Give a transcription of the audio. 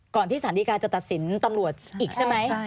ที่สารดีการจะตัดสินตำรวจอีกใช่ไหม